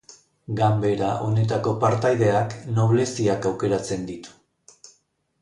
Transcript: Ganbera honetako partaideak, nobleziak aukeratzen ditu.